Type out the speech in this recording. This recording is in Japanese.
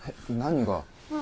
何が？